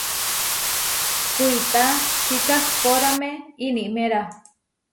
Kuitá kikahpórame iniméra.